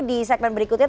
di segmen berikutnya